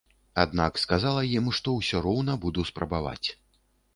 Аднак сказала ім, што ўсё роўна буду спрабаваць.